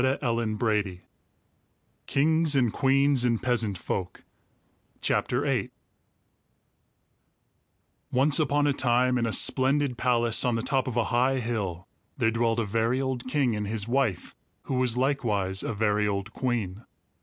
CHAPTER VIII KINGS AND QUEENS AND PEASANT FOLK Once upon a time, in a splendid palace on the top of a high hill, there dwelled a very old king and his wife, who was likewise a very old queen.